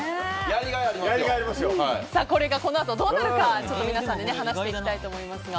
これがこのあとどうなるか皆さんで話していきたいと思いますが。